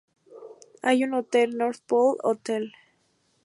Hay un hotel, North Pole Hotel.